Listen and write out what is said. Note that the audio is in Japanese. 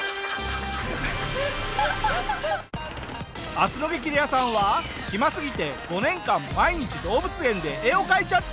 明日の『激レアさん』は暇すぎて５年間毎日動物園で絵を描いちゃっている人。